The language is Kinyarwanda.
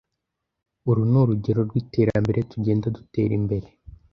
Uru nurugero rwiterambere tugenda dutera imbere.